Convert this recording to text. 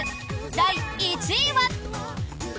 第１位は。